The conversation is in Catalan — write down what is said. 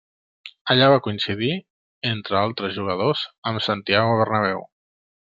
Allà va coincidir, entre altres jugadors, amb Santiago Bernabéu.